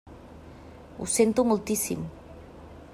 Ho sento moltíssim.